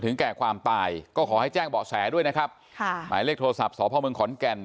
แก่ความตายก็ขอให้แจ้งเบาะแสด้วยนะครับค่ะหมายเลขโทรศัพท์สพเมืองขอนแก่น